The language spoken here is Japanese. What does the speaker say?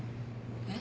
えっ。